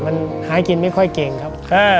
มันหากินไม่ค่อยเก่งครับ